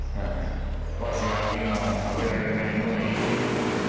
わしがピーマンをたべられないのがいけないのじゃ。